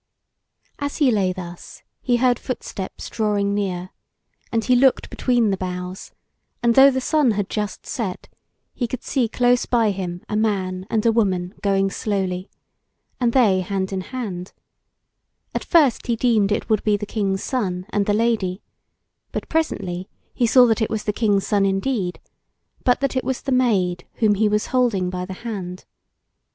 As he lay thus he heard footsteps drawing near, and he looked between the boughs, and though the sun had just set, he could see close by him a man and a woman going slowly, and they hand in hand; at first he deemed it would be the King's Son and the Lady, but presently he saw that it was the King's Son indeed, but that it was the Maid whom he was holding by the hand.